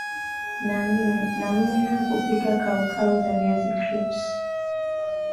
nanmna kupika kaukau za viazi crisps